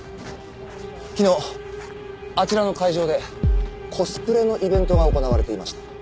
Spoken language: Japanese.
昨日あちらの会場でコスプレのイベントが行われていました。